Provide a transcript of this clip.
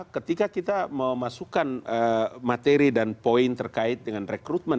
ketika kita memasukkan materi dan poin terkait dengan rekrutmen